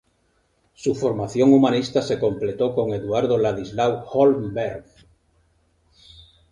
Su formación humanista se completó con Eduardo Ladislao Holmberg.